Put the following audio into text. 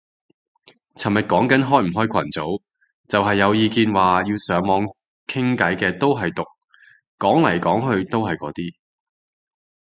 尋日講緊開唔開群組，就係有意見話要上網傾偈嘅都係毒，講嚟講去都係嗰啲